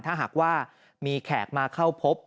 ถ้าหากว่ามีแขกมาเข้าพบ